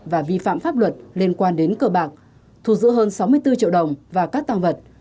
và vi phạm pháp luật liên quan đến cờ bạc thù giữ hơn sáu mươi bốn triệu đồng và các tăng vật